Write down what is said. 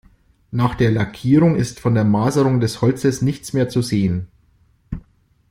Nach der Lackierung ist von der Maserung des Holzes nichts mehr zu sehen.